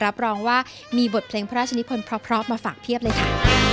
รับรองว่ามีบทเพลงพระราชนิพลเพราะมาฝากเพียบเลยค่ะ